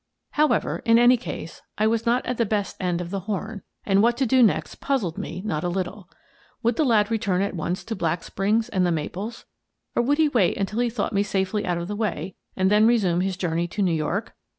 How ever, in any case, I was not at the best end of the horn, and what to do next puzzled me not a little. Would the lad return at once to Black Springs and " The Maples," or would he wait until he thought me safely out of the way and then resume his jour ney to New York?